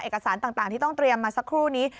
เอกสารต่างที่ต้องเตรียมมาสักครู่นี้